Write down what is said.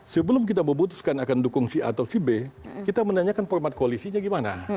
sebelum kita memutuskan akan dukung si a atau si b kita menanyakan format koalisinya gimana